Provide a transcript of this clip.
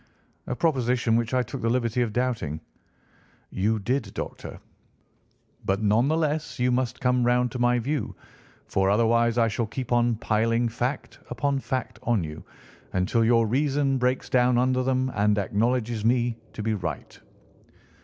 "A proposition which I took the liberty of doubting." "You did, Doctor, but none the less you must come round to my view, for otherwise I shall keep on piling fact upon fact on you until your reason breaks down under them and acknowledges me to be right.